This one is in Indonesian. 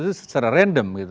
itu secara random gitu